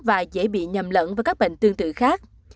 và dễ bị nhầm lẫn với các bệnh tương tự khác